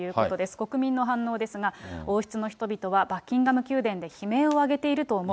国民の反応ですが、王室の人々はバッキンガム宮殿で悲鳴を上げていると思う。